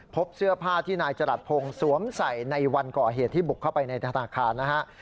พบเสื้อผ้าที่นายจรัสพงศ์สวมใส่ในวันก่อเหตุที่บุกเข้าไปในธนาคารนะฮะ